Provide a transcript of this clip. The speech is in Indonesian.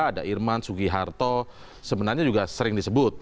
ada irman sugi harto sebenarnya juga sering disebut